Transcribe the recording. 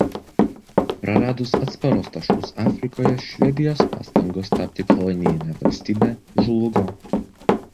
Praradus atsparos taškus Afrikoje Švedijos pastangos tapti kolonijine valstybe žlugo.